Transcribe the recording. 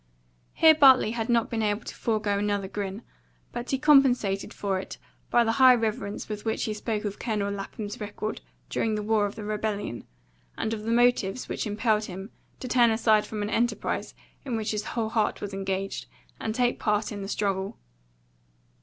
Here Bartley had not been able to forego another grin; but he compensated for it by the high reverence with which he spoke of Colonel Lapham's record during the war of the rebellion, and of the motives which impelled him to turn aside from an enterprise in which his whole heart was engaged, and take part in the struggle.